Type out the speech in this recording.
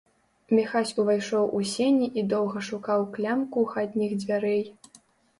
Міхась увайшоў у сені і доўга шукаў клямку хатніх дзвярэй.